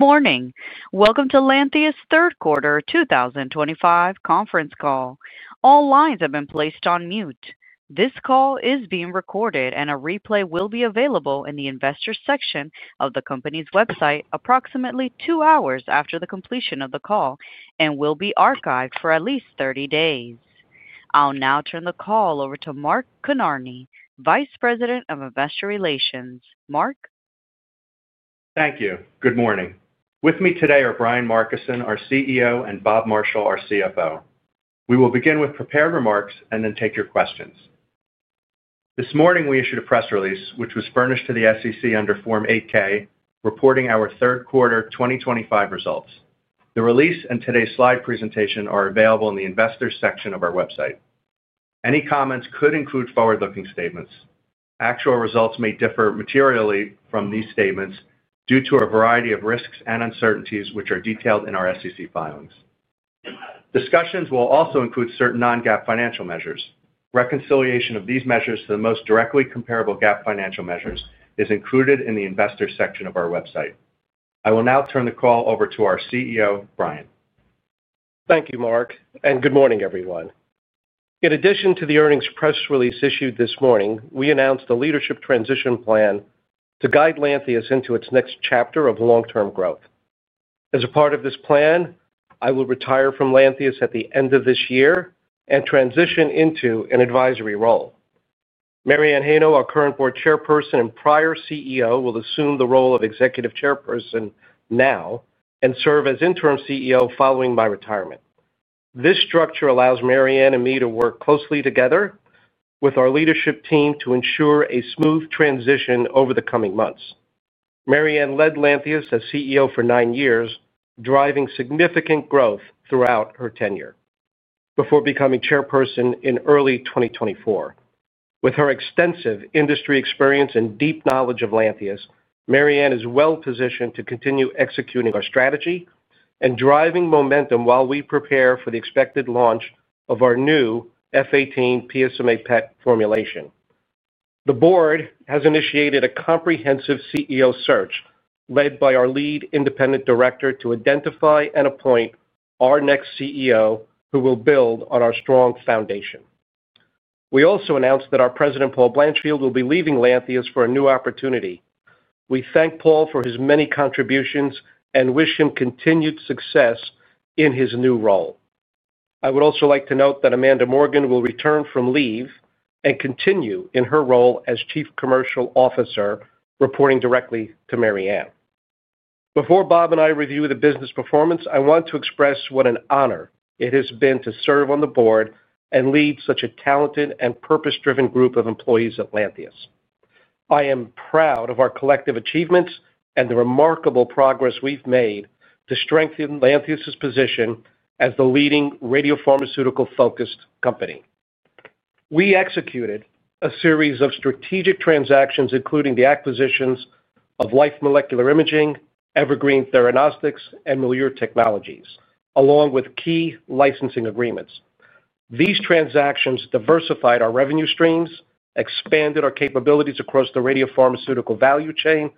Morning. Welcome to Lantheus Third Quarter 2025 Conference Call. All lines have been placed on mute. This call is being recorded, and a replay will be available in the investor section of the company's website approximately two hours after the completion of the call and will be archived for at least 30 days. I'll now turn the call over to Mark Kinarney, Vice President of Investor Relations. Mark. Thank you. Good morning. With me today are Brian Markison, our CEO, and Bob Marshall, our CFO. We will begin with prepared remarks and then take your questions. This morning, we issued a press release, which was furnished to the SEC under Form 8-K, reporting our third quarter 2025 results. The release and today's slide presentation are available in the investor section of our website. Any comments could include forward-looking statements. Actual results may differ materially from these statements due to a variety of risks and uncertainties, which are detailed in our SEC filings. Discussions will also include certain non-GAAP financial measures. Reconciliation of these measures to the most directly comparable GAAP financial measures is included in the investor section of our website. I will now turn the call over to our CEO, Brian. Thank you, Mark, and good morning, everyone. In addition to the earnings press release issued this morning, we announced a leadership transition plan to guide Lantheus into its next chapter of long-term growth. As a part of this plan, I will retire from Lantheus at the end of this year and transition into an advisory role. Mary Anne Heino, our current Board Chairperson and prior CEO, will assume the role of Executive Chairperson now and serve as interim CEO following my retirement. This structure allows Mary Anne and me to work closely together with our leadership team to ensure a smooth transition over the coming months. Mary Anne led Lantheus as CEO for nine years, driving significant growth throughout her tenure before becoming Chairperson in early 2024. With her extensive industry experience and deep knowledge of Lantheus, Mary Anne is well positioned to continue executing our strategy and driving momentum while we prepare for the expected launch of our new F 18 PSMA PET formulation. The board has initiated a comprehensive CEO search led by our lead independent director to identify and appoint our next CEO, who will build on our strong foundation. We also announced that our President, Paul Blanchfield, will be leaving Lantheus for a new opportunity. We thank Paul for his many contributions and wish him continued success in his new role. I would also like to note that Amanda Morgan will return from leave and continue in her role as Chief Commercial Officer, reporting directly to Mary Anne. Before Bob and I review the business performance, I want to express what an honor it has been to serve on the board and lead such a talented and purpose-driven group of employees at Lantheus. I am proud of our collective achievements and the remarkable progress we've made to strengthen Lantheus's position as the leading radiopharmaceutical-focused company. We executed a series of strategic transactions, including the acquisitions of Life Molecular Imaging, Evergreen Theragnostics, and Meilleur Technologies, along with key licensing agreements. These transactions diversified our revenue streams, expanded our capabilities across the radiopharmaceutical value chain,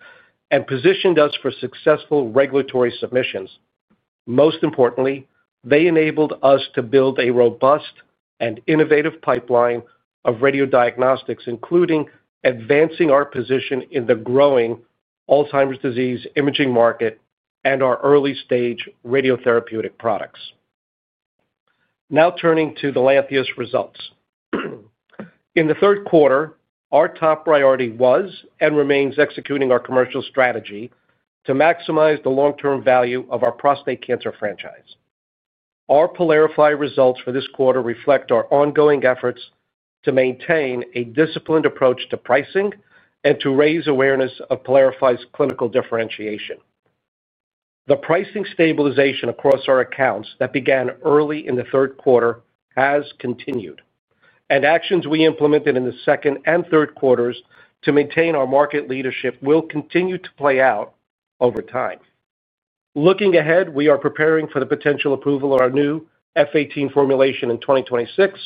and positioned us for successful regulatory submissions. Most importantly, they enabled us to build a robust and innovative pipeline of radiodiagnostics, including advancing our position in the growing Alzheimer's disease imaging market and our early-stage radiotherapeutic products. Now turning to the Lantheus results. In the third quarter, our top priority was and remains executing our commercial strategy to maximize the long-term value of our prostate cancer franchise. Our PYLARIFY results for this quarter reflect our ongoing efforts to maintain a disciplined approach to pricing and to raise awareness of PYLARIFY's clinical differentiation. The pricing stabilization across our accounts that began early in the third quarter has continued, and actions we implemented in the second and third quarters to maintain our market leadership will continue to play out over time. Looking ahead, we are preparing for the potential approval of our new F18 formulation in 2026.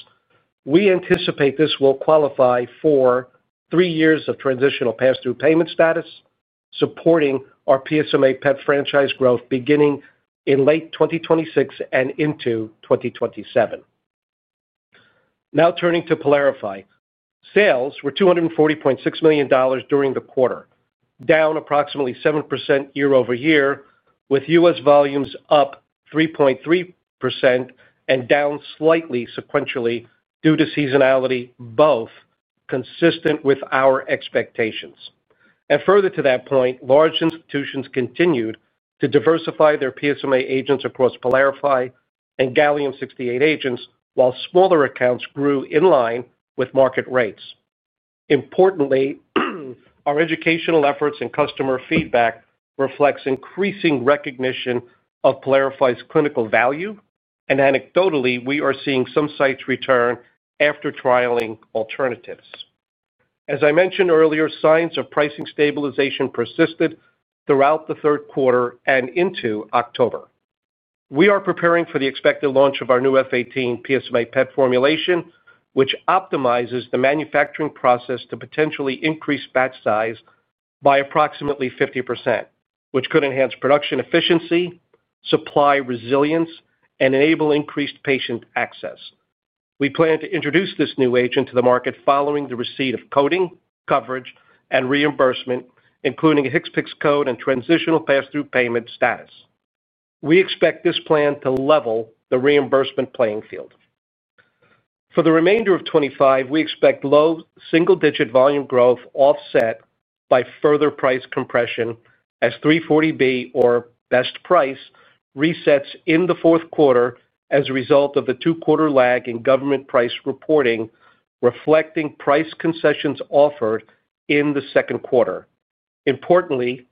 We anticipate this will qualify for three years of transitional pass-through payment status, supporting our PSMA PET franchise growth beginning in late 2026 and into 2027. Now turning to PYLARIFY. Sales were $240.6 million during the quarter, down approximately 7% year-over-year, with U.S. Volumes up 3.3% and down slightly sequentially due to seasonality, both consistent with our expectations. Further to that point, large institutions continued to diversify their PSMA agents across PYLARIFY and Gallium-68 agents, while smaller accounts grew in line with market rates. Importantly, our educational efforts and customer feedback reflect increasing recognition of PYLARIFY's clinical value, and anecdotally, we are seeing some sites return after trialing alternatives. As I mentioned earlier, signs of pricing stabilization persisted throughout the third quarter and into October. We are preparing for the expected launch of our new F18 PSMA PET formulation, which optimizes the manufacturing process to potentially increase batch size by approximately 50%, which could enhance production efficiency, supply resilience, and enable increased patient access. We plan to introduce this new agent to the market following the receipt of coding, coverage, and reimbursement, including a HCPCS code and transitional pass-through payment status. We expect this plan to level the reimbursement playing field. For the remainder of 2025, we expect low single-digit volume growth offset by further price compression as 340B, or best price, resets in the fourth quarter as a result of the two-quarter lag in government price reporting, reflecting price concessions offered in the second quarter. Importantly,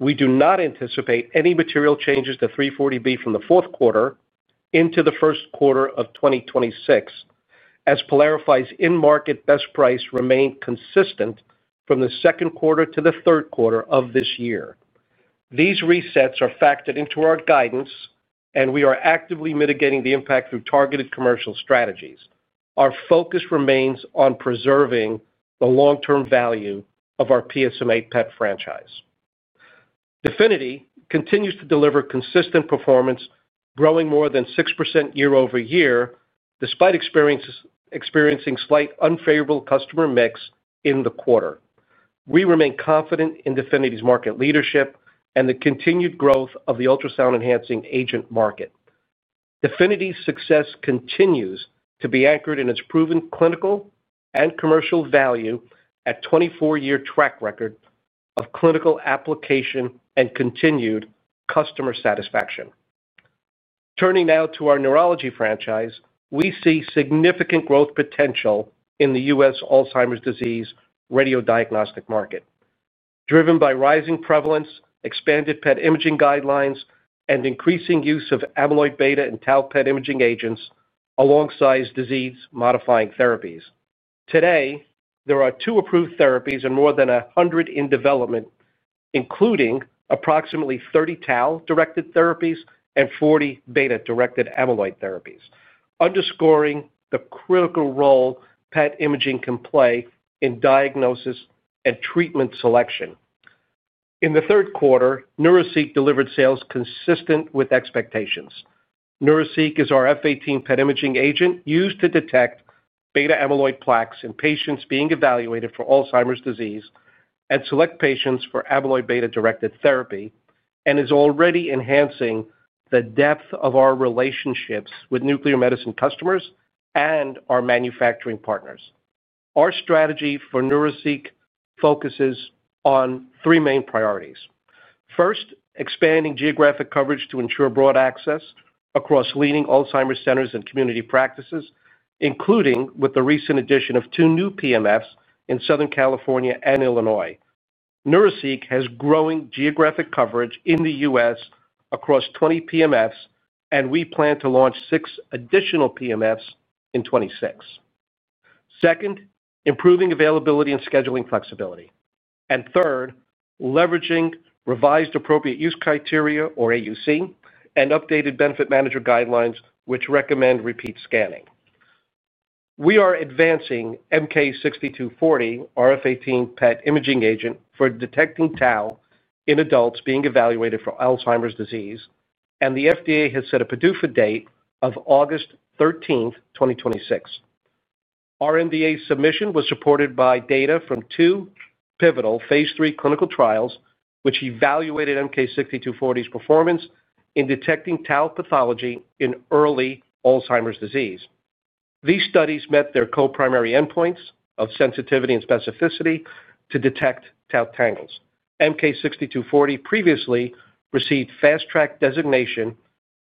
we do not anticipate any material changes to 340B from the fourth quarter into the first quarter of 2026. As PYLARIFY's in-market best price remained consistent from the second quarter to the third quarter of this year. These resets are factored into our guidance, and we are actively mitigating the impact through targeted commercial strategies. Our focus remains on preserving the long-term value of our PSMA PET franchise. DEFINITY continues to deliver consistent performance, growing more than 6% year-over-year despite experiencing slight unfavorable customer mix in the quarter. We remain confident in DEFINITY's market leadership and the continued growth of the ultrasound-enhancing agent market. DEFINITY's success continues to be anchored in its proven clinical and commercial value with a 24-year track record of clinical application and continued customer satisfaction. Turning now to our neurology franchise, we see significant growth potential in the U.S. Alzheimer's disease radiodiagnostic market, driven by rising prevalence, expanded PET imaging guidelines, and increasing use of amyloid beta and tau PET imaging agents alongside disease-modifying therapies. Today, there are two approved therapies and more than 100 in development, including approximately 30 tau-directed therapies and 40 beta-directed amyloid therapies, underscoring the critical role PET imaging can play in diagnosis and treatment selection. In the third quarter, Neuraceq delivered sales consistent with expectations. Neuraceq is our F18 PET imaging agent used to detect beta-amyloid plaques in patients being evaluated for Alzheimer's disease and select patients for amyloid beta-directed therapy, and is already enhancing the depth of our relationships with nuclear medicine customers and our manufacturing partners. Our strategy for Neuraceq focuses on three main priorities. First, expanding geographic coverage to ensure broad access across leading Alzheimer's centers and community practices, including with the recent addition of two new PMFs in Southern California and Illinois. Neuraceq has growing geographic coverage in the U.S. across 20 PMFs, and we plan to launch six additional PMFs in 2026. Second, improving availability and scheduling flexibility. Third, leveraging revised appropriate use criteria, or AUC, and updated benefit manager guidelines, which recommend repeat scanning. We are advancing MK-6240, our F18 PET imaging agent, for detecting tau in adults being evaluated for Alzheimer's disease, and the FDA has set a PDUFA date of August 13, 2026. Our NDA submission was supported by data from two pivotal phase three clinical trials, which evaluated MK-6240's performance in detecting tau pathology in early Alzheimer's disease. These studies met their co-primary endpoints of sensitivity and specificity to detect tau tangles. MK-6240 previously received fast-track designation,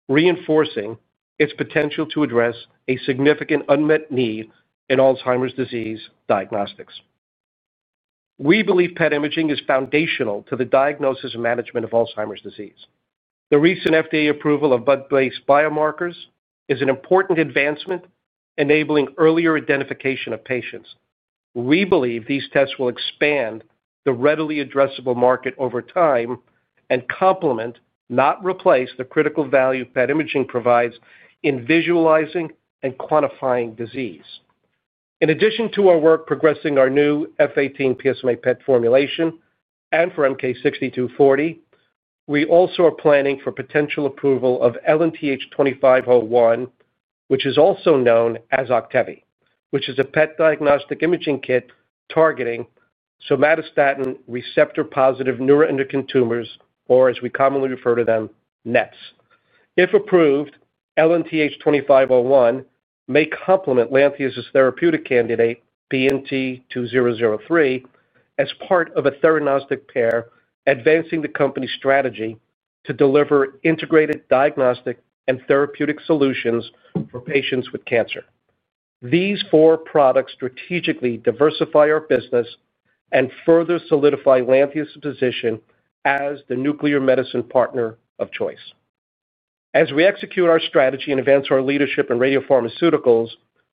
reinforcing its potential to address a significant unmet need in Alzheimer's disease diagnostics. We believe PET imaging is foundational to the diagnosis and management of Alzheimer's disease. The recent FDA approval of blood-based biomarkers is an important advancement, enabling earlier identification of patients. We believe these tests will expand the readily addressable market over time and complement, not replace, the critical value PET imaging provides in visualizing and quantifying disease. In addition to our work progressing our new F18 PSMA PET formulation and for MK-6240, we also are planning for potential approval of LNTH-2501, which is also known as Octavi, which is a PET diagnostic imaging kit targeting somatostatin receptor-positive neuroendocrine tumors, or as we commonly refer to them, NETs. If approved, LNTH-2501 may complement Lantheus's therapeutic candidate, PNT2003, as part of a theranostic pair advancing the company's strategy to deliver integrated diagnostic and therapeutic solutions for patients with cancer. These four products strategically diversify our business and further solidify Lantheus's position as the nuclear medicine partner of choice. As we execute our strategy and advance our leadership in radiopharmaceuticals,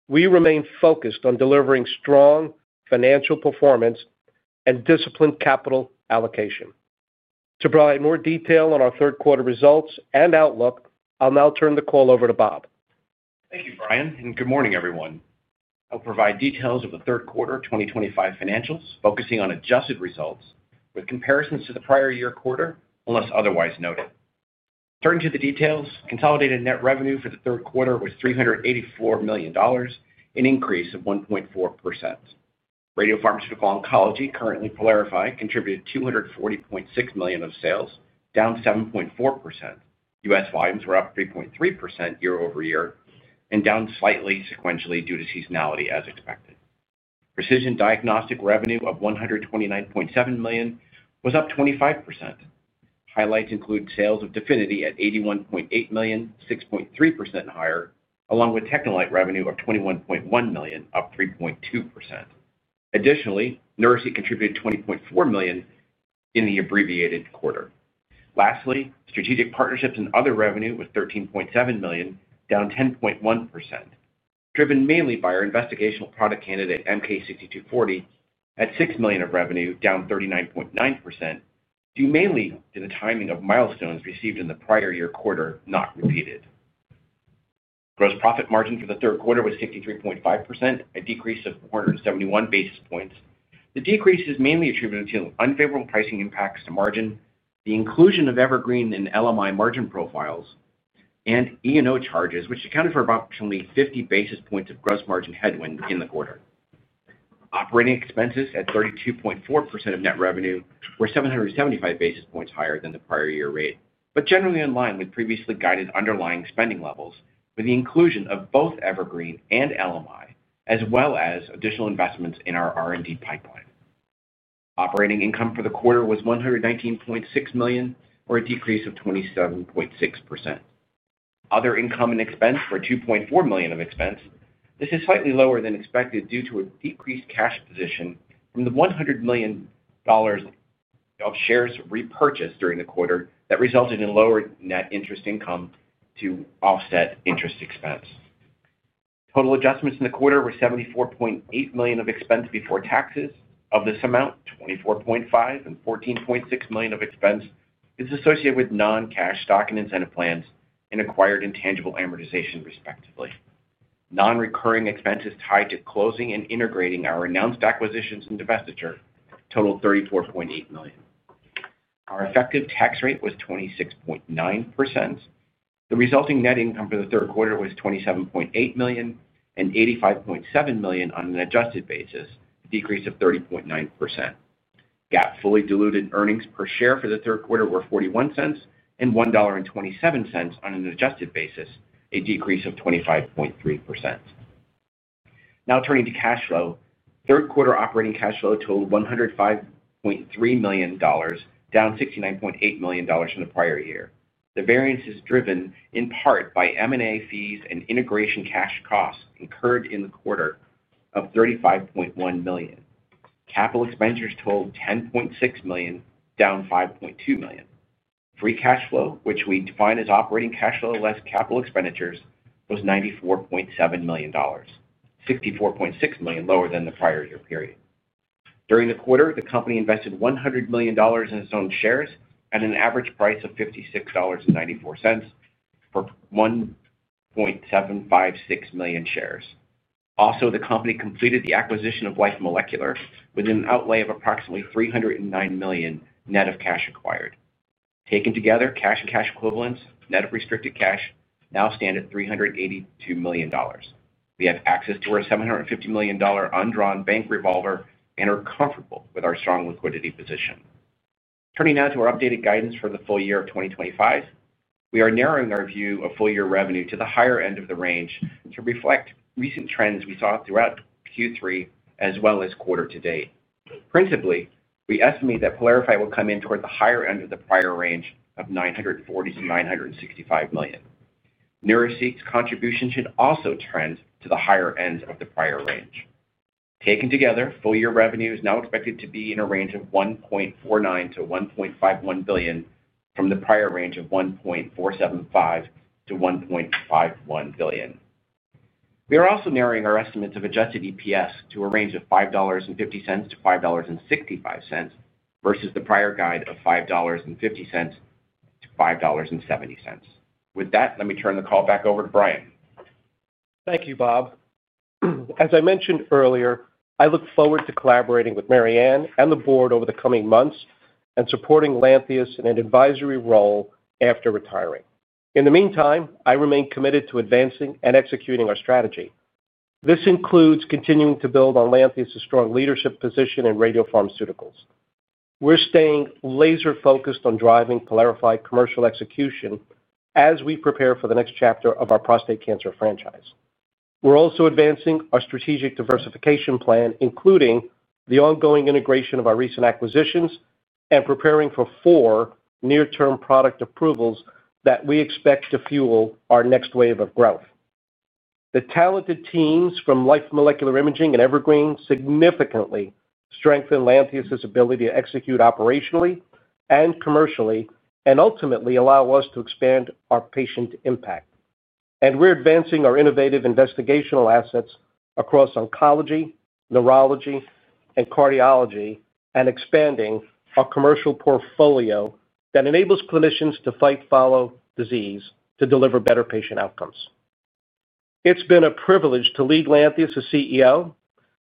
we remain focused on delivering strong financial performance and disciplined capital allocation. To provide more detail on our third-quarter results and outlook, I'll now turn the call over to Bob. Thank you, Brian, and good morning, everyone. I'll provide details of the third-quarter 2025 financials, focusing on adjusted results with comparisons to the prior year quarter, unless otherwise noted. Turning to the details, consolidated net revenue for the third quarter was $384 million, an increase of 1.4%. Radiopharmaceutical Oncology, currently PYLARIFY, contributed $240.6 million of sales, down 7.4%. U.S. volumes were up 3.3% year-over-year and down slightly sequentially due to seasonality, as expected. Precision diagnostic revenue of $129.7 million was up 25%. Highlights include sales of DEFINITY at $81.8 million, 6.3% higher, along with TechneLite revenue of $21.1 million, up 3.2%. Additionally, Neuraceq contributed $20.4 million in the abbreviated quarter. Lastly, strategic partnerships and other revenue was $13.7 million, down 10.1%. Driven mainly by our investigational product candidate, MK-6240, at $6 million of revenue, down 39.9%, due mainly to the timing of milestones received in the prior year quarter not repeated. Gross profit margin for the third quarter was 63.5%, a decrease of 471 basis points. The decrease is mainly attributed to unfavorable pricing impacts to margin, the inclusion of Evergreen and LMI margin profiles, and E&O charges, which accounted for approximately 50 basis points of gross margin headwind in the quarter. Operating expenses at 32.4% of net revenue were 775 basis points higher than the prior year rate, but generally in line with previously guided underlying spending levels with the inclusion of both Evergreen and LMI, as well as additional investments in our R&D pipeline. Operating income for the quarter was $one one9.6 million, or a decrease of 27.6%. Other income and expense were $2.4 million of expense. This is slightly lower than expected due to a decreased cash position from the $100 million of shares repurchased during the quarter that resulted in lower net interest income to offset interest expense. Total adjustments in the quarter were $74.8 million of expense before taxes. Of this amount, $24.5 million and $14.6 million of expense is associated with non-cash stock and incentive plans and acquired intangible amortization, respectively. Non-recurring expenses tied to closing and integrating our announced acquisitions and divestiture totaled $34.8 million. Our effective tax rate was 26.9%. The resulting net income for the third quarter was $27.8 million and $85.7 million on an adjusted basis, a decrease of 30.9%. GAAP fully diluted earnings per share for the third quarter were $0.41 and $1.27 on an adjusted basis, a decrease of 25.3%. Now turning to cash flow, third-quarter operating cash flow totaled $105.3 million, down $69.8 million from the prior year. The variance is driven in part by M&A fees and integration cash costs incurred in the quarter of $35.1 million. Capital expenditures totaled $10.6 million, down $5.2 million. Free cash flow, which we define as operating cash flow less capital expenditures, was $94.7 million, $64.6 million lower than the prior year period. During the quarter, the company invested $100 million in its own shares at an average price of $56.94 for 1.756 million shares. Also, the company completed the acquisition of Life Molecular Imaging with an outlay of approximately $309 million net of cash acquired. Taken together, cash and cash equivalents, net of restricted cash, now stand at $382 million. We have access to our $750 million undrawn bank revolver and are comfortable with our strong liquidity position. Turning now to our updated guidance for the full year of 2025, we are narrowing our view of full year revenue to the higher end of the range to reflect recent trends we saw throughout Q3 as well as quarter to date. Principally, we estimate that PYLARIFY will come in toward the higher end of the prior range of $940 million-$965 million. Neuraceq's contribution should also trend to the higher end of the prior range. Taken together, full year revenue is now expected to be in a range of $1.49 billion-$1.51 billion from the prior range of $1.475-$1.51 billion. We are also narrowing our estimates of adjusted EPS to a range of $5.50-$5.65 versus the prior guide of $5.50-$5.70. With that, let me turn the call back over to Brian. Thank you, Bob. As I mentioned earlier, I look forward to collaborating with Mary Anne and the board over the coming months and supporting Lantheus in an advisory role after retiring. In the meantime, I remain committed to advancing and executing our strategy. This includes continuing to build on Lantheus's strong leadership position in radiopharmaceuticals. We're staying laser-focused on driving PYLARIFY commercial execution as we prepare for the next chapter of our prostate cancer franchise. We're also advancing our strategic diversification plan, including the ongoing integration of our recent acquisitions and preparing for four near-term product approvals that we expect to fuel our next wave of growth. The talented teams from Life Molecular Imaging and Evergreen significantly strengthen Lantheus's ability to execute operationally and commercially and ultimately allow us to expand our patient impact. We're advancing our innovative investigational assets across oncology, neurology, and cardiology and expanding our commercial portfolio that enables clinicians to fight, follow disease to deliver better patient outcomes. It's been a privilege to lead Lantheus as CEO.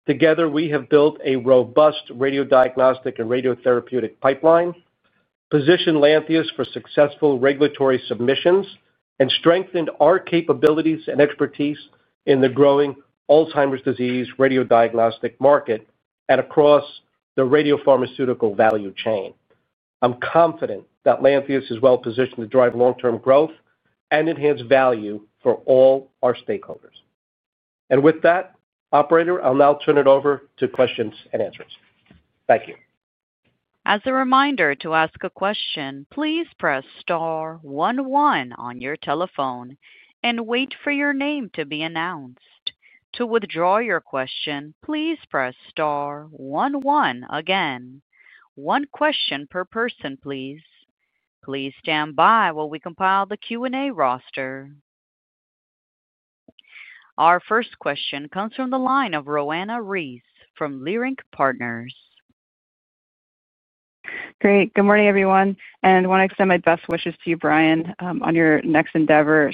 Together, we have built a robust radiodiagnostic and radiotherapeutic pipeline, positioned Lantheus for successful regulatory submissions, and strengthened our capabilities and expertise in the growing Alzheimer's disease radiodiagnostic market and across the radiopharmaceutical value chain. I'm confident that Lantheus is well-positioned to drive long-term growth and enhance value for all our stakeholders. With that, operator, I'll now turn it over to questions and answers. Thank you. As a reminder, to ask a question, please press star one one on your telephone and wait for your name to be announced. To withdraw your question, please press star one one again. One question per person, please. Please stand by while we compile the Q&A roster. Our first question comes from the line of Roanna Reese from Leerink Partners. Great. Good morning, everyone. I want to extend my best wishes to you, Brian, on your next endeavor.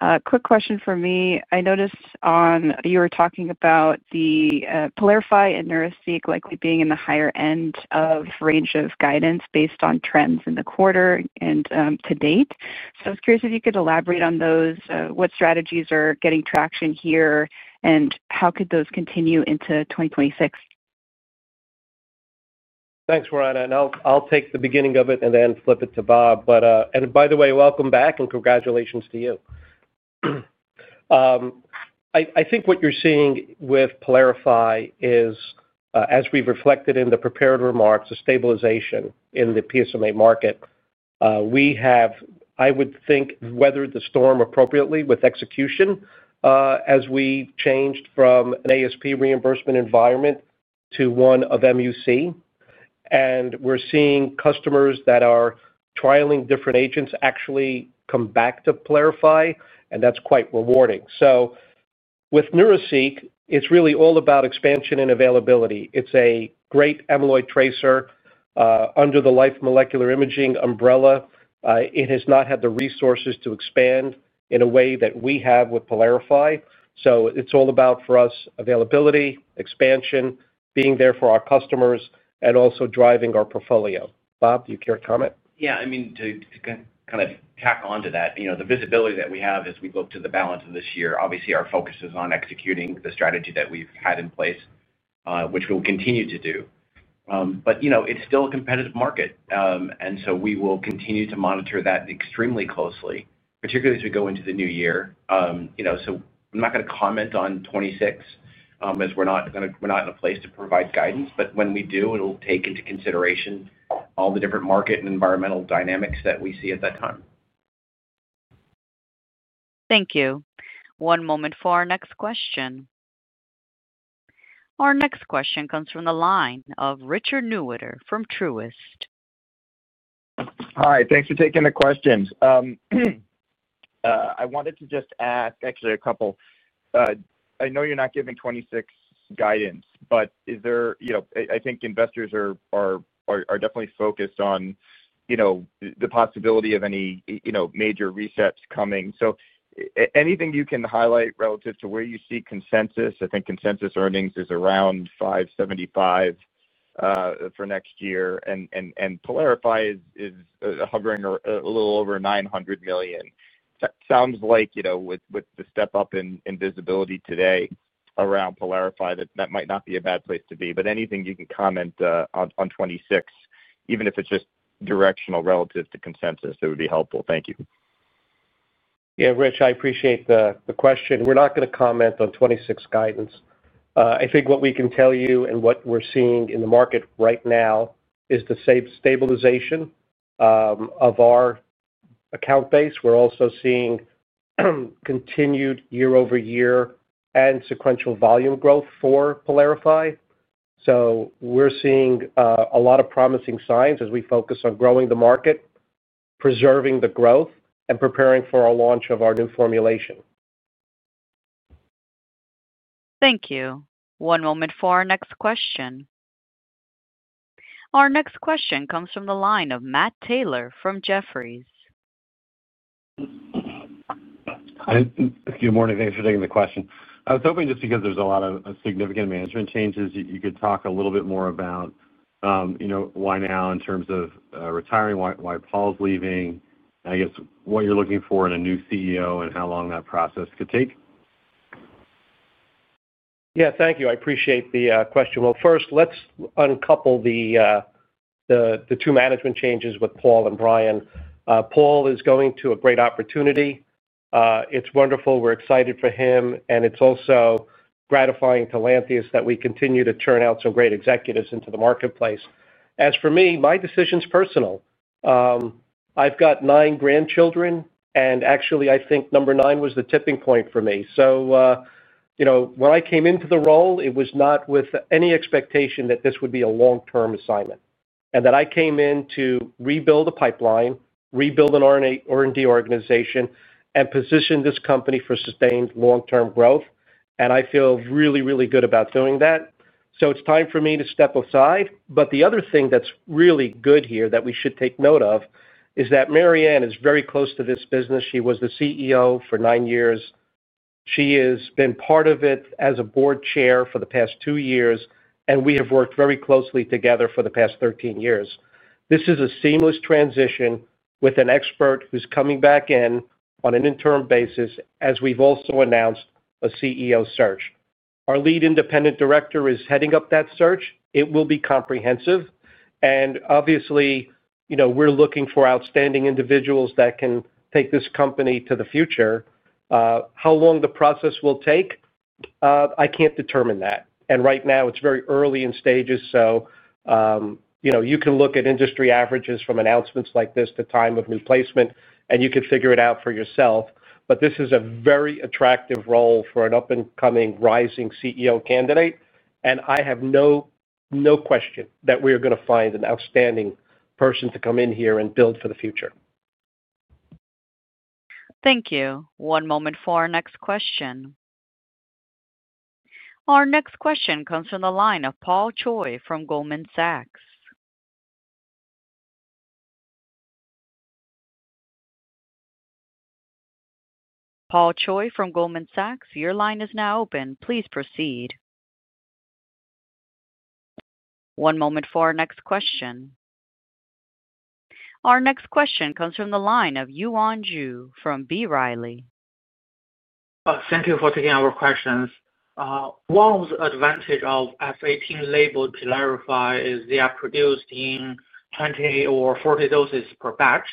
A quick question for me. I noticed on you were talking about the PYLARIFY and Neuraceq likely being in the higher end of range of guidance based on trends in the quarter and to date. I was curious if you could elaborate on those, what strategies are getting traction here, and how could those continue into 2026. Thanks, Roanna. I'll take the beginning of it and then flip it to Bob. By the way, welcome back and congratulations to you. I think what you're seeing with PYLARIFY is, as we've reflected in the prepared remarks, a stabilization in the PSMA market. We have, I would think, weathered the storm appropriately with execution as we changed from an ASP reimbursement environment to one of MUC. We're seeing customers that are trialing different agents actually come back to PYLARIFY, and that's quite rewarding. With Neuraceq, it's really all about expansion and availability. It's a great amyloid tracer. Under the Life Molecular Imaging umbrella, it has not had the resources to expand in a way that we have with PYLARIFY. It is all about, for us, availability, expansion, being there for our customers, and also driving our portfolio. Bob, do you care to comment? Yeah. I mean, to kind of tack on to that, the visibility that we have as we look to the balance of this year, obviously, our focus is on executing the strategy that we've had in place, which we will continue to do. It is still a competitive market, and we will continue to monitor that extremely closely, particularly as we go into the new year. I'm not going to comment on 2026 as we're not in a place to provide guidance, but when we do, it'll take into consideration all the different market and environmental dynamics that we see at that time. Thank you. One moment for our next question. Our next question comes from the line of Richard Newitter from Truist. Hi. Thanks for taking the questions. I wanted to just ask, actually, a couple. I know you're not giving 2026 guidance, but is there, I think investors are definitely focused on the possibility of any major resets coming. So anything you can highlight relative to where you see consensus? I think consensus earnings is around $575 for next year, and PYLARIFY is hovering a little over $900 million. Sounds like with the step up in visibility today around PYLARIFY, that might not be a bad place to be. Anything you can comment on 2026, even if it's just directional relative to consensus, it would be helpful. Thank you. Yeah, Rich, I appreciate the question. We're not going to comment on 2026 guidance. I think what we can tell you and what we're seeing in the market right now is the stabilization of our account base. We're also seeing continued year-over-year and sequential volume growth for PYLARIFY. We're seeing a lot of promising signs as we focus on growing the market, preserving the growth, and preparing for our launch of our new formulation. Thank you. One moment for our next question. Our next question comes from the line of Matt Taylor from Jefferies. Hi. Good morning. Thanks for taking the question. I was hoping just because there's a lot of significant management changes, you could talk a little bit more about. Why now in terms of retiring, why Paul's leaving, and I guess what you're looking for in a new CEO and how long that process could take. Yeah, thank you. I appreciate the question. First, let's uncouple the two management changes with Paul and Brian. Paul is going to a great opportunity. It's wonderful. We're excited for him. It's also gratifying to Lantheus that we continue to churn out some great executives into the marketplace. As for me, my decision's personal. I've got nine grandchildren, and actually, I think number nine was the tipping point for me. When I came into the role, it was not with any expectation that this would be a long-term assignment, and that I came in to rebuild a pipeline, rebuild an R&D organization, and position this company for sustained long-term growth. I feel really, really good about doing that. It is time for me to step aside. The other thing that is really good here that we should take note of is that Mary Anne is very close to this business. She was the CEO for nine years. She has been part of it as a board chair for the past two years, and we have worked very closely together for the past 13 years. This is a seamless transition with an expert who is coming back in on an interim basis as we have also announced a CEO search. Our lead independent director is heading up that search. It will be comprehensive. Obviously, we are looking for outstanding individuals that can take this company to the future. How long the process will take, I cannot determine that. Right now, it is very early in stages. You can look at industry averages from announcements like this to time of new placement, and you can figure it out for yourself. This is a very attractive role for an up-and-coming, rising CEO candidate. I have no question that we are going to find an outstanding person to come in here and build for the future. Thank you. One moment for our next question. Our next question comes from the line of Paul Choy from Goldman Sachs. Paul Choy from Goldman Sachs, your line is now open. Please proceed. One moment for our next question. Our next question comes from the line of Yuan Zhu from B Riley. Thank you for taking our questions. What was the advantage of F18-labeled PYLARIFY? They are produced in 20 or 40 doses per batch.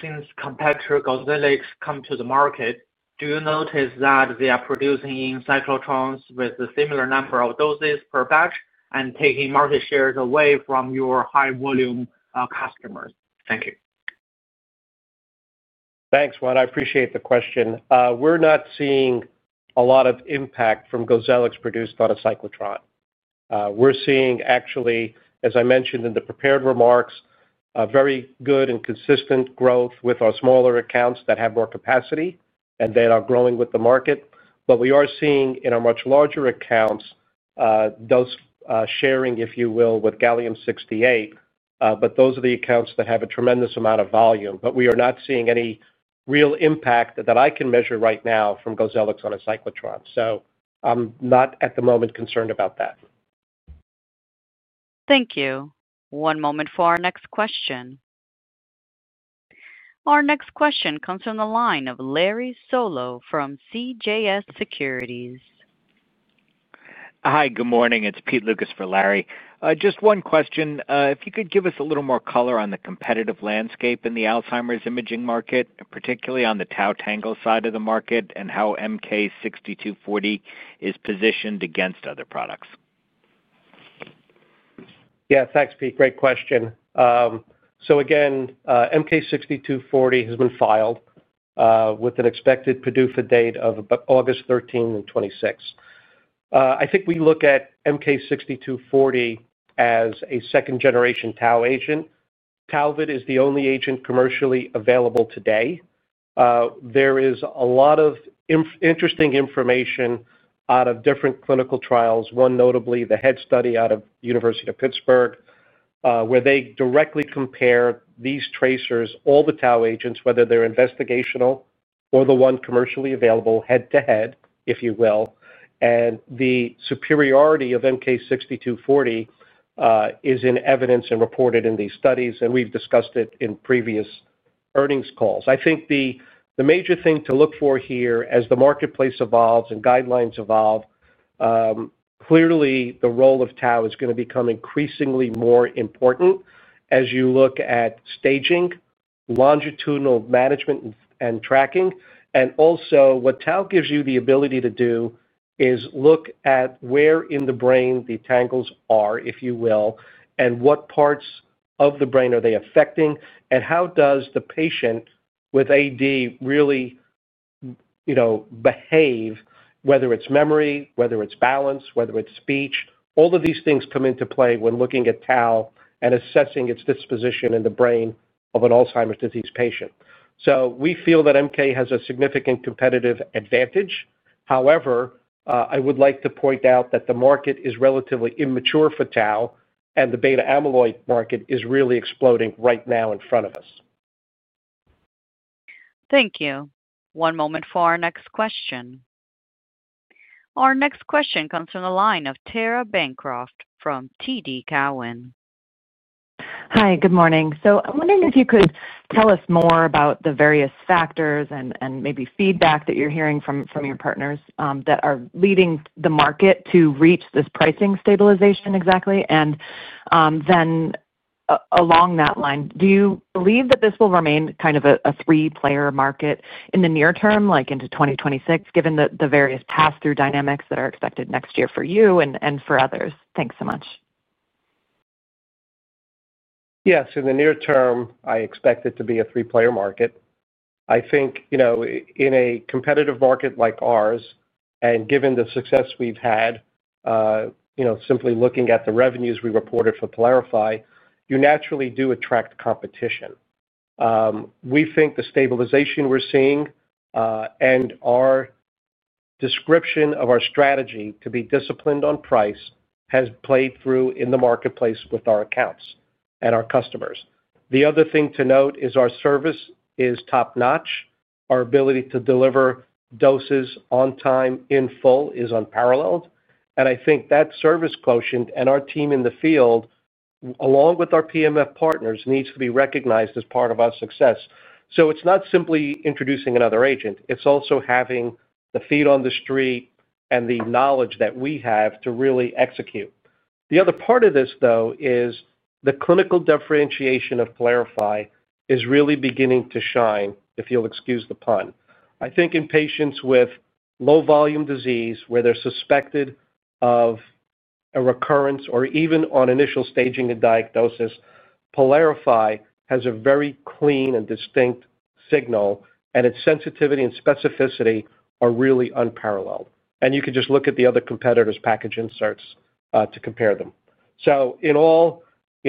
Since competitor GOZELLIX came to the market, do you notice that they are producing in cyclotrons with a similar number of doses per batch and taking market shares away from your high-volume customers? Thank you. Thanks, Yuan. I appreciate the question. We're not seeing a lot of impact from GOZELLIX produced on a cyclotron. We're seeing, actually, as I mentioned in the prepared remarks, very good and consistent growth with our smaller accounts that have more capacity and that are growing with the market. We are seeing in our much larger accounts those sharing, if you will, with Gallium-68. Those are the accounts that have a tremendous amount of volume. We are not seeing any real impact that I can measure right now from GOZELLIX on a cyclotron. I'm not at the moment concerned about that. Thank you. One moment for our next question. Our next question comes from the line of Larry Solow from CJS Securities. Hi. Good morning. It's Pete Lucas for Larry. Just one question. If you could give us a little more color on the competitive landscape in the Alzheimer's imaging market, particularly on the tau tangle side of the market, and how MK-6240 is positioned against other products. Yeah. Thanks, Pete. Great question. So again, MK-6240 has been filed with an expected PDUFA date of August 13, 2026. I think we look at MK-6240 as a second-generation tau agent. Tauvid is the only agent commercially available today. There is a lot of interesting information out of different clinical trials, one notably the head study out of the University of Pittsburgh, where they directly compare these tracers, all the tau agents, whether they're investigational or the one commercially available, head-to-head, if you will. The superiority of MK-6240 is in evidence and reported in these studies, and we have discussed it in previous earnings calls. I think the major thing to look for here as the marketplace evolves and guidelines evolve. Clearly, the role of tau is going to become increasingly more important as you look at staging, longitudinal management, and tracking. What tau gives you the ability to do is look at where in the brain the tangles are, if you will, and what parts of the brain are they affecting, and how does the patient with AD really behave, whether it is memory, whether it is balance, whether it is speech. All of these things come into play when looking at tau and assessing its disposition in the brain of an Alzheimer's disease patient. We feel that MK has a significant competitive advantage. However, I would like to point out that the market is relatively immature for tau, and the beta-amyloid market is really exploding right now in front of us. Thank you. One moment for our next question. Our next question comes from the line of Tara Bancroft from TD Cowen. Hi. Good morning. I am wondering if you could tell us more about the various factors and maybe feedback that you are hearing from your partners that are leading the market to reach this pricing stabilization exactly. Then, along that line, do you believe that this will remain kind of a three-player market in the near term, like into 2026, given the various pass-through dynamics that are expected next year for you and for others? Thanks so much. Yeah. In the near term, I expect it to be a three-player market. I think. In a competitive market like ours, and given the success we've had. Simply looking at the revenues we reported for PYLARIFY, you naturally do attract competition. We think the stabilization we're seeing, and our description of our strategy to be disciplined on price, has played through in the marketplace with our accounts and our customers. The other thing to note is our service is top-notch. Our ability to deliver doses on time in full is unparalleled. I think that service quotient and our team in the field, along with our PMF partners, needs to be recognized as part of our success. It is not simply introducing another agent. It is also having the feet on the street and the knowledge that we have to really execute. The other part of this, though, is the clinical differentiation of PYLARIFY is really beginning to shine, if you'll excuse the pun. I think in patients with low-volume disease where they're suspected of a recurrence or even on initial staging and diagnosis, PYLARIFY has a very clean and distinct signal, and its sensitivity and specificity are really unparalleled. You could just look at the other competitors' package inserts to compare them. In all,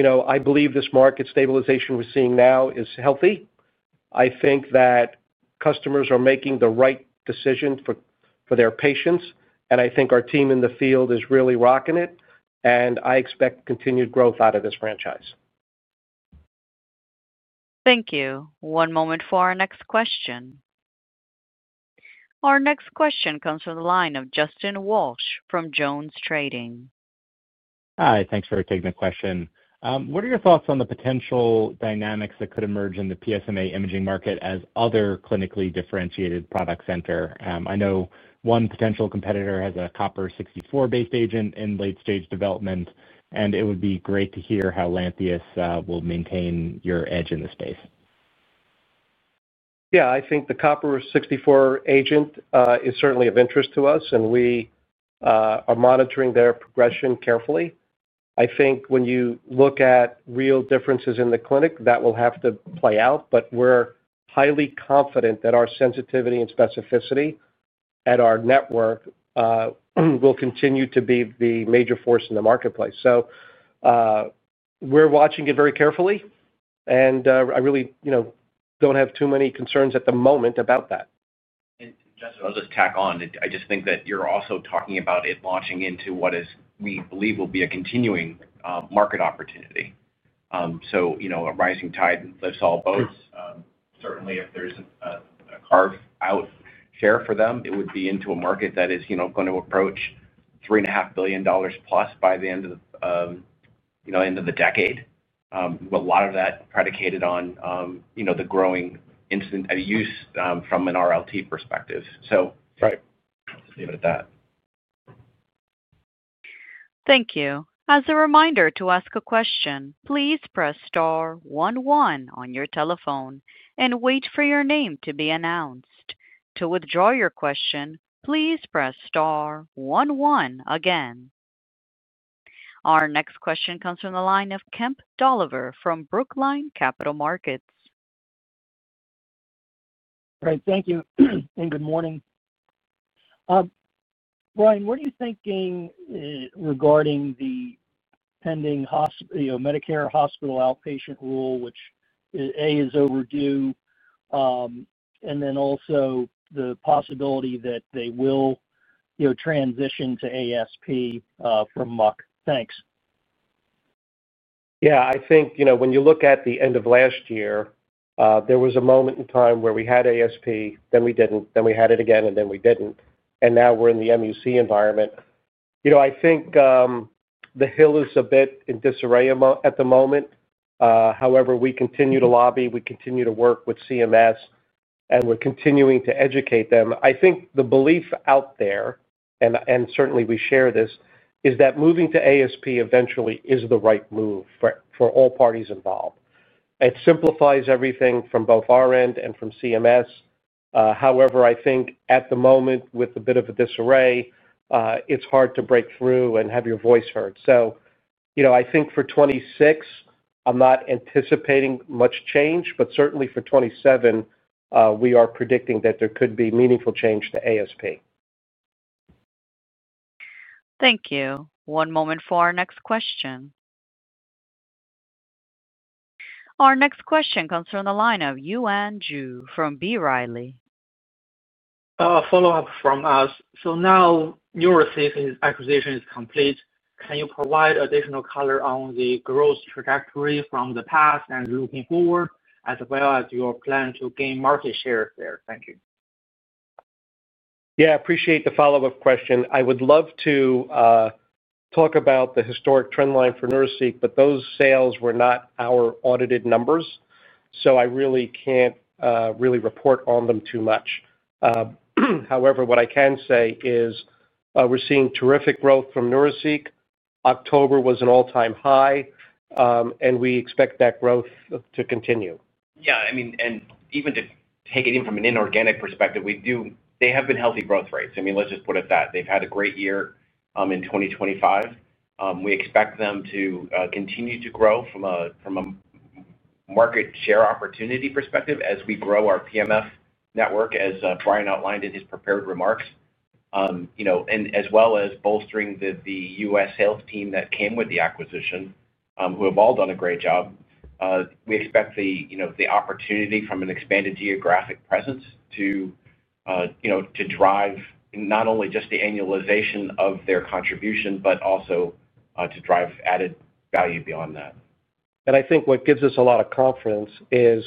I believe this market stabilization we're seeing now is healthy. I think that customers are making the right decision for their patients, and I think our team in the field is really rocking it. I expect continued growth out of this franchise. Thank you. One moment for our next question. Our next question comes from the line of Justin Walsh from JonesTrading. Hi. Thanks for taking the question. What are your thoughts on the potential dynamics that could emerge in the PSMA imaging market as other clinically differentiated products enter? I know one potential competitor has a copper-64-based agent in late-stage development, and it would be great to hear how Lantheus will maintain your edge in the space. Yeah. I think the copper-64 agent is certainly of interest to us, and we are monitoring their progression carefully. I think when you look at real differences in the clinic, that will have to play out. But we're highly confident that our sensitivity and specificity at our network will continue to be the major force in the marketplace. We're watching it very carefully, and I really don't have too many concerns at the moment about that. Justin, I'll just tack on. I just think that you're also talking about it launching into what we believe will be a continuing market opportunity. A rising tide lifts all boats. Certainly, if there's a carve-out share for them, it would be into a market that is going to approach $3.5 billion plus by the end of the decade. A lot of that predicated on the growing use from an RLT perspective. Right. Let's leave it at that. Thank you. As a reminder, to ask a question, please press star one one on your telephone and wait for your name to be announced. To withdraw your question, please press star one one again. Our next question comes from the line of Kemp Dolliver from Brookline Capital Markets. All right. Thank you. And good morning. Brian, what are you thinking regarding the pending Medicare hospital outpatient rule, which A is overdue, and then also the possibility that they will transition to ASP from MUC? Thanks. Yeah. I think when you look at the end of last year, there was a moment in time where we had ASP, then we did not, then we had it again, and then we did not. Now we are in the MUC environment. I think the Hill is a bit in disarray at the moment. However, we continue to lobby, we continue to work with CMS, and we are continuing to educate them. I think the belief out there, and certainly we share this, is that moving to ASP eventually is the right move for all parties involved. It simplifies everything from both our end and from CMS. However, I think at the moment, with a bit of a disarray, it is hard to break through and have your voice heard. I think for 2026, I am not anticipating much change, but certainly for 2027. We are predicting that there could be meaningful change to ASP. Thank you. One moment for our next question. Our next question comes from the line of Yuan Zhu from B. Riley. Follow-up from us. Now your acquisition is complete. Can you provide additional color on the growth trajectory from the past and looking forward, as well as your plan to gain market share there? Thank you. Yeah. I appreciate the follow-up question. I would love to talk about the historic trend line for Neuraceq, but those sales were not our audited numbers, so I really can't report on them too much. However, what I can say is we're seeing terrific growth from Neuraceq. October was an all-time high, and we expect that growth to continue. Yeah. I mean, even to take it in from an inorganic perspective, they have been healthy growth rates. I mean, let's just put it that. They've had a great year in 2025. We expect them to continue to grow from a market share opportunity perspective as we grow our PMF network, as Brian outlined in his prepared remarks. As well as bolstering the US sales team that came with the acquisition, who have all done a great job. We expect the opportunity from an expanded geographic presence to drive not only just the annualization of their contribution, but also to drive added value beyond that. I think what gives us a lot of confidence is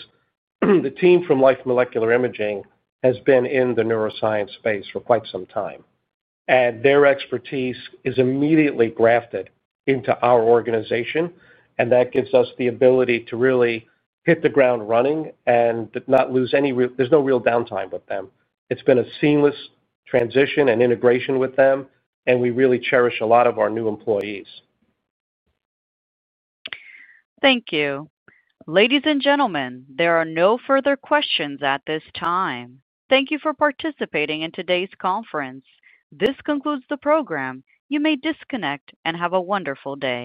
the team from Life Molecular Imaging has been in the neuroscience space for quite some time. Their expertise is immediately grafted into our organization, and that gives us the ability to really hit the ground running and not lose any—there's no real downtime with them. It's been a seamless transition and integration with them, and we really cherish a lot of our new employees. Thank you. Ladies and gentlemen, there are no further questions at this time. Thank you for participating in today's conference. This concludes the program. You may disconnect and have a wonderful day.